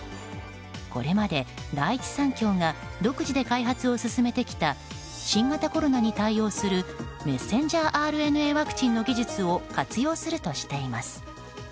これまで第一三共が独自で開発を進めてきた新型コロナに対応するメッセンジャーＲＮＡワクチンの技術を活用するとしています。